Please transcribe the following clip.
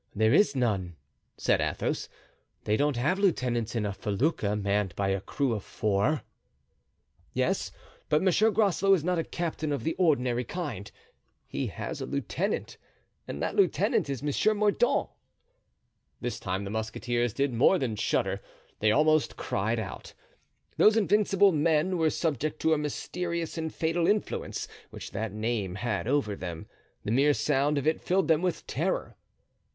There is none," said Athos. "They don't have lieutenants in a felucca manned by a crew of four." "Yes, but Monsieur Groslow is not a captain of the ordinary kind; he has a lieutenant, and that lieutenant is Monsieur Mordaunt." This time the musketeers did more than shudder—they almost cried out. Those invincible men were subject to a mysterious and fatal influence which that name had over them; the mere sound of it filled them with terror.